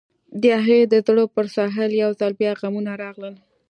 د هغې د زړه پر ساحل يو ځل بيا غمونه راغلل.